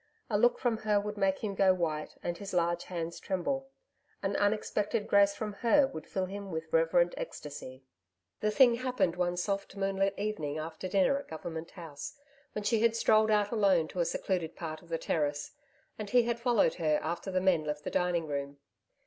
A look from her would make him go white and his large hands tremble; an unexpected grace from her would fill him with reverent ecstasy. The thing happened one soft moonlit evening after dinner at Government House, when she had strolled out alone to a secluded part of the terrace, and he had followed her after the men left the dining room.